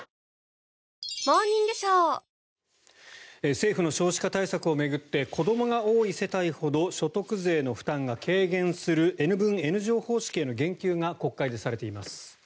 政府の少子化対策を巡って子どもが多い世帯ほど所得税の負担が軽減するＮ分Ｎ乗方式への言及が国会でされています。